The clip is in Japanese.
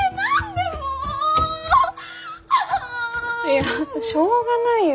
いやしょうがないよ。